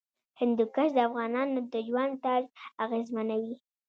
هندوکش د افغانانو د ژوند طرز اغېزمنوي.